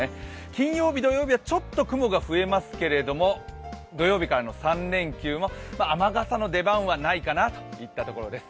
金曜日、土曜日はちょっと雲が増えますけれど土曜日からの３連休も雨傘の出番はないかなといったところです。